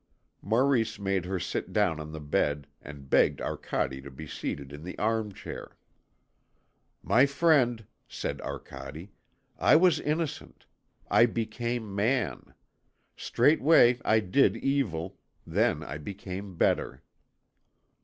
Maurice made her sit down on the bed, and begged Arcade to be seated in the arm chair. "My friend," said Arcade, "I was innocent. I became man. Straightway I did evil. Then I became better."